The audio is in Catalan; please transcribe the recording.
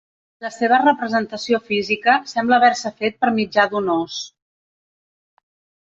La seva representació física sembla haver-se fet per mitjà d'un ós.